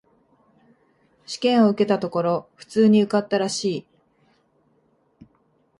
試験を受けたところ、普通に受かったらしい。